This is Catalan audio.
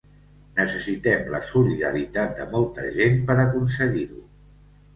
Necessitem la solidaritat de molta gent per aconseguir-ho.